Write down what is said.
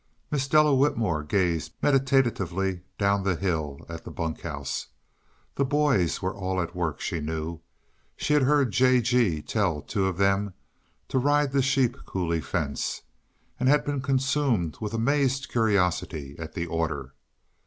Miss Della Whitmore gazed meditatively down the hill at the bunk house. The boys were all at work, she knew. She had heard J. G. tell two of them to "ride the sheep coulee fence," and had been consumed with amazed curiosity at the order.